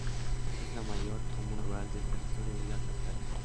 Es la mayor comuna rural del territorio de la capital.